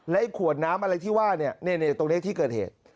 ไอ้ขวดน้ำอะไรที่ว่าเนี่ยตรงนี้ที่เกิดเหตุ